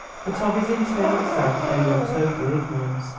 But of his internal self they were in total ignorance.